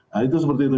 nah itu seperti itu